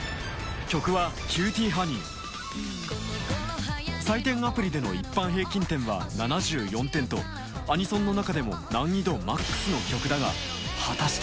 曲は採点アプリでの一般平均点は７４点とアニソンの中でも難易度マックスの曲だが果たして？